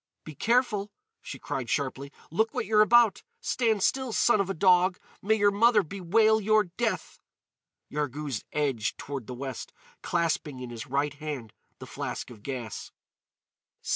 "Be careful!" she cried sharply; "look what you're about! Stand still, son of a dog! May your mother bewail your death!" Yarghouz edged toward the west, clasping in his right hand the flask of gas.